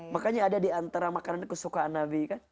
makanya ada diantara makanan kesukaan nabi kan